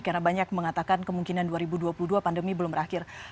karena banyak mengatakan kemungkinan dua ribu dua puluh dua pandemi belum berakhir